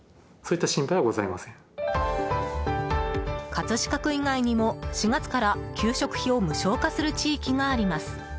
葛飾区以外にも、４月から給食費を無償化する地域があります。